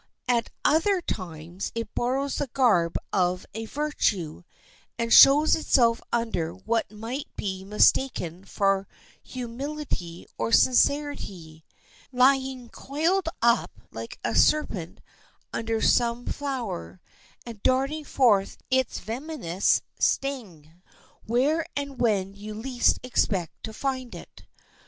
At other times it borrows the garb of a virtue, and shows itself under what might be mistaken for humility or sincerity; lying coiled up like a serpent under some flower, and darting forth its venemous sting where and when you least expect to find it.